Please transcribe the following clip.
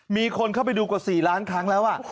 มีคนเข้าไปดูกว่า๔ล้านครั้งแล้ว